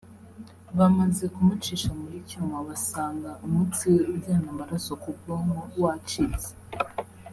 bamaze kumucisha muri cyuma basanga umutsi we ujyana amaraso ku bwonko wacitse”